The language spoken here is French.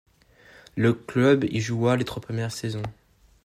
Le club y joua les trois premières saisons.